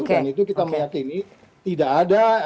dan itu kita meyakini tidak ada